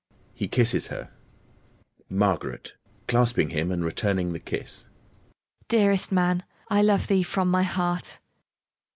(He kisses her.) MARGARET (clasping him, and returning the kiss) Dearest man! I love thee from my heart.